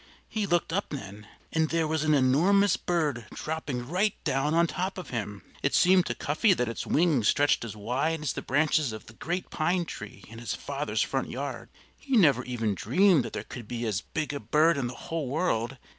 He looked up then. And there was an enormous bird dropping right down on top of him! It seemed to Cuffy that its wings stretched as wide as the branches of the great pine tree in his father's front yard. He never even dreamed that there could be as big a bird in the whole world.